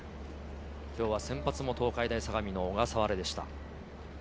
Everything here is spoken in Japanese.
今日は先発も東海大相模の小笠原でした。